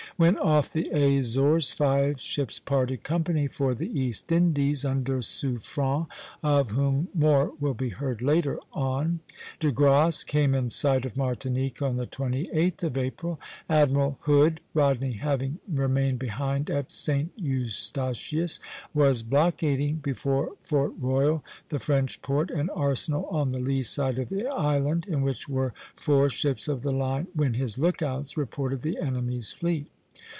When off the Azores, five ships parted company for the East Indies, under Suffren, of whom more will be heard later on. De Grasse came in sight of Martinique on the 28th of April. Admiral Hood (Rodney having remained behind at St. Eustatius) was blockading before Fort Royal, the French port and arsenal on the lee side of the island, in which were four ships of the line, when his lookouts reported the enemy's fleet.